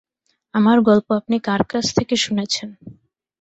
আমার গল্প আপনি কার কাছ থেকে শুনেছেন?